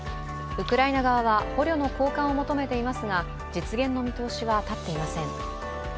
ウクライナ側は捕虜の交換を求めていますが実現の見通しは立っていません。